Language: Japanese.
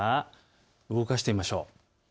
動かしてみましょう。